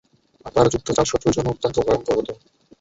তার যুদ্ধ চাল শত্রুর জন্য অত্যন্ত ভয়ঙ্কর হত।